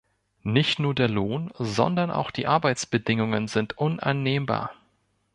Nicht nur der Lohn, sondern auch die Arbeitsbedingungen sind unannehmbar.